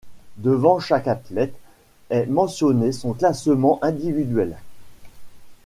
Devant chaque athlète, est mentionné son classement individuel.